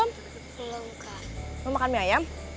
belum kak mau makan mie ayam